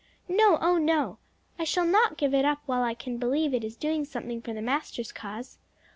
"No, oh no; I shall not give it up while I can believe it is doing something for the Master's cause.